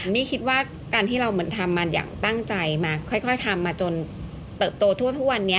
นี่คิดว่าการที่เราเหมือนทำมาอย่างตั้งใจมาค่อยทำมาจนเติบโตทุกวันนี้